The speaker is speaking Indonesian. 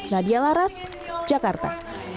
nadia laras jakarta